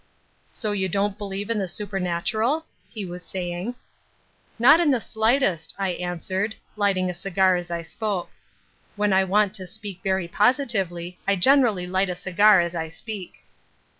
"So you don't believe in the supernatural?" he was saying. "Not in the slightest," I answered, lighting a cigar as I spoke. When I want to speak very positively, I generally light a cigar as I speak.